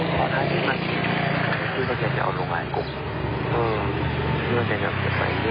อยากเห็นอย่างเนอะพอทายตัวเวลาสักที